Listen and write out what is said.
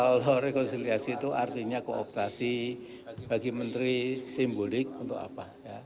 kalau rekonsiliasi itu artinya kooptasi bagi menteri simbolik untuk apa